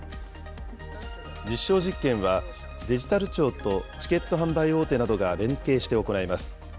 実証実験は、デジタル庁とチケット販売大手などが連携して行います。